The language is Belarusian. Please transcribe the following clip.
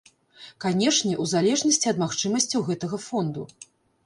Канешне, у залежнасці ад магчымасцяў гэтага фонду.